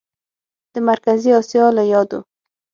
د مرکزي اسیا له یادو